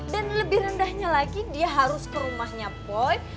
dan lebih rendahnya lagi dia harus ke rumahnya boy